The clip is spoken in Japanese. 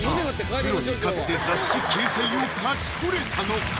プロに勝って雑誌掲載を勝ち取れたのか？